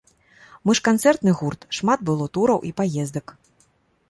Мы ж канцэртны гурт, шмат было тураў і паездак.